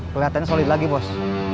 keliatannya solid lagi bos